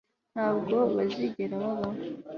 Ntabwo bizigera bibaho